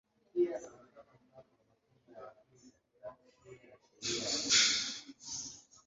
Baada ya miaka miwili alipokea cheti kidogo cha elimu ya sekondari.